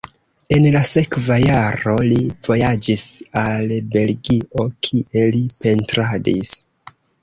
En la sekva jaro li vojaĝis al Belgio, kie li pentradis.